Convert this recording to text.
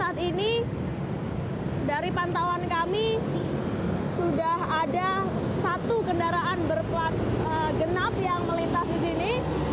di mana kita lihat di mana kita lihat dari pandangan kami sudah ada satu kendaraan berplat genap yang melintas di sini